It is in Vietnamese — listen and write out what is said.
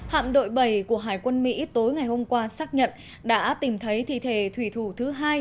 hạm đội bảy của hải quân mỹ tối ngày hôm qua xác nhận đã tìm thấy thi thể thủy thủ thứ hai